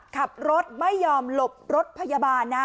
ขับรถไม่ยอมหลบรถพยาบาลนะ